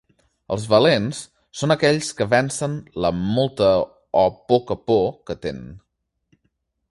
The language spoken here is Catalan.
Els valents són aquells que vencen la molta o poca por que tenen .